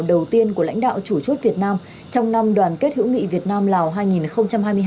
đầu tiên của lãnh đạo chủ chốt việt nam trong năm đoàn kết hữu nghị việt nam lào